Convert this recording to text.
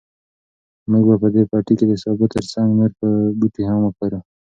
موږ به په دې پټي کې د سابو تر څنګ نور بوټي هم وکرو.